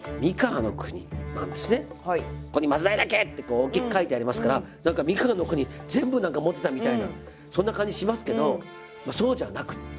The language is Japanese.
ここに松平家ってこう大きく書いてありますから何か三河国全部持ってたみたいなそんな感じしますけどそうじゃなくって